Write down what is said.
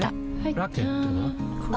ラケットは？